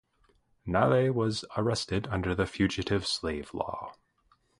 Nalle was arrested under the Fugitive Slave Law.